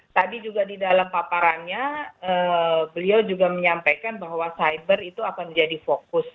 tadi juga di dalam paparannya beliau juga menyampaikan bahwa cyber itu akan menjadi fokus